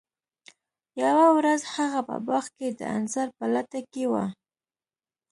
یوه ورځ هغه په باغ کې د انځر په لټه کې و.